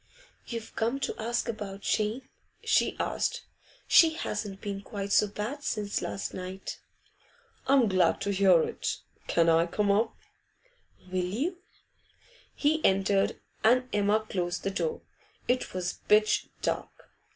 'You've come to ask about Jane?' she said. 'She hasn't been quite so bad since last night.' 'I'm glad to hear it. Can I come up?' 'Will you?' He entered, and Emma closed the door. It was pitch dark.